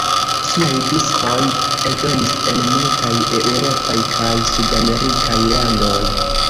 Siaj diskoj eldonis en multaj eŭropaj kaj sudamerikaj landoj.